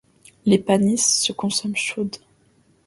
Les panisses se consomment chaudes.